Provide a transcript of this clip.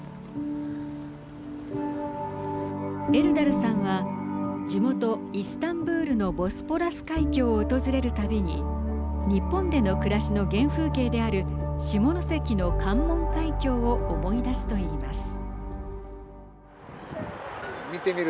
エルダルさんは地元イスタンブールのボスポラス海峡を訪れるたびに日本での暮らしの原風景である下関の関門海峡を思い出すといいます。